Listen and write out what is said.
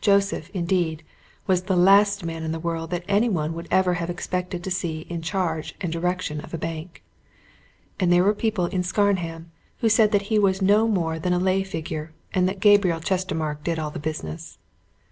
Joseph, indeed, was the last man in the world that any one would ever have expected to see in charge and direction of a bank, and there were people in Scarnham who said that he was no more than a lay figure, and that Gabriel Chestermarke did all the business.